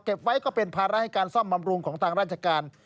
ไว้ก็เป็นภาระให้การซ่อมบำรุงของทางราชการ